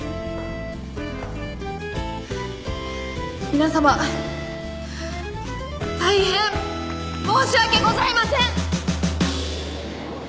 皆様大変申し訳ございません！